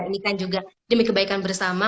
ini kan juga demi kebaikan bersama